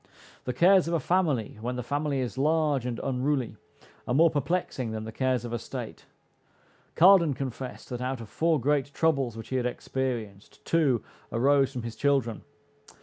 The cares of a family, when the family is large and unruly, are more perplexing than the cares of a state. Cardan confessed, that out of four great troubles which he had experienced, two arose from his children.